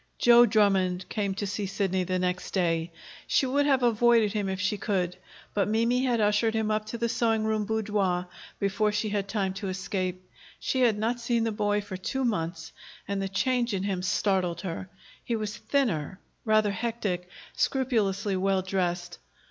Joe Drummond came to see Sidney the next day. She would have avoided him if she could, but Mimi had ushered him up to the sewing room boudoir before she had time to escape. She had not seen the boy for two months, and the change in him startled her. He was thinner, rather hectic, scrupulously well dressed.